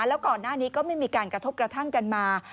แล้วก่อนหน้านี้ก็ไม่มีการกระทบกระทั่งกันมา